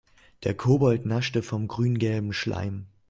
Der Kobold naschte vom grüngelben Schleim.